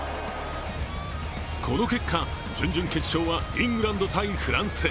この結果、準々決勝はイングランド×フランス。